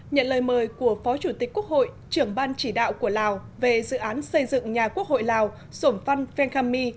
nhận lời mời của phó chủ tịch quốc hội trưởng ban chỉ đạo của lào về dự án xây dựng nhà quốc hội lào sổm văn venkhammi